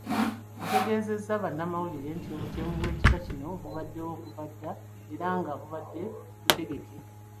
Ategeezezza bannamawulire nti obutemu obw’ekika kino bubaddewo okuva dda era nga bubadde butegeke.